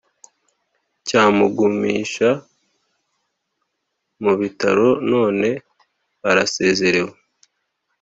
cya mugumisha mubitaro none arasezerewe